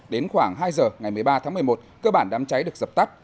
đến khoảng hai giờ ngày một mươi ba tháng một mươi một cơ bản đám cháy được dập tắt